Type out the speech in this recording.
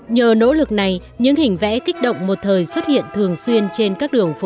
nhờ nỗ lực này những hình vẽ kích động một thời xuất hiện thường xuyên trên các đường phố